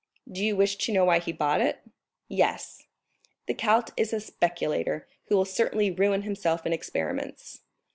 "Do you wish to know why he bought it?" "Yes." "The count is a speculator, who will certainly ruin himself in experiments.